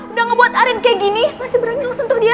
udah ngebuat arin kayak gini masih berani langsung tuh dia